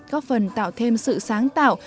có phần tạo thêm sự sáng tạo